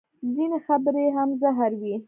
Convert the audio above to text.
ځینې خبرې هم زهر وي